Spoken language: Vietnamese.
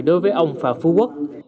đối với ông phạm phú quốc